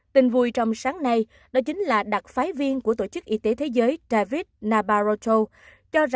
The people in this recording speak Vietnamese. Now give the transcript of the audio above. tình vui trong sáng nay đó chính là đặc phái viên của tổ chức y tế thế giới david nabarrocho